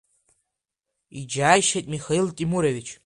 Иџьаишьеит Михаил Темурович.